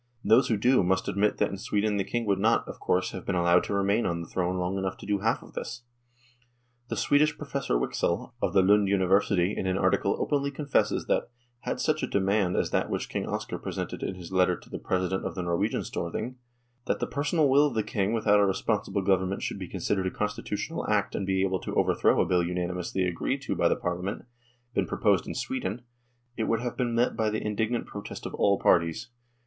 Those who do must admit that in Sweden the King would not, of course, have been allowed to remain on the throne long enough to do half of all this. The Swedish Professor Wicksell, of the Lund University, in an article openly confesses that " had such a demand as that which King Oscar presented in his letter to the President of the Norwegian Storthing, that the personal will of the King without a responsible Govern ment should be considered a constitutional act and be able to overthrow a Bill unanimously agreed to by 108 NORWAY AND THE UNION WITH SWEDEN the Parliament, been proposed in Sweden, it would have been met by the indignant protest of all parties.